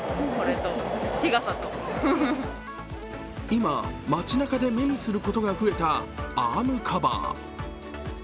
今、町なかで目にすることが増えたアームカバー。